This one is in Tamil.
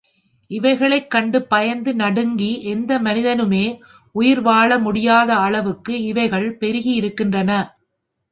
இவைகளைக் கண்டு பயந்து நடுங்கி எந்த மனிதனுமே உயிர் வாழ முடியாத அளவுக்கு இவைகள் பெருகியிருக்கின்றன.